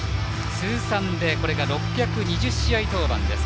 通算でこれが６２０試合登板です。